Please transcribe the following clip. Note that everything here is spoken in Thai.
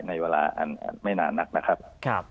ในเวลาอันไม่นานนักนะครับ